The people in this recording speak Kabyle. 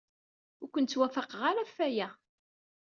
Ur ken-ttwafaqeɣ ara ɣef waya.